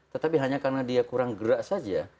tetapi hanya karena dia kurang gerak saja